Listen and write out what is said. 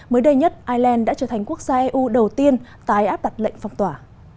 mới đây nhất ireland đã trở thành quốc gia eu đầu tiên tái áp đặt lệnh phong tỏa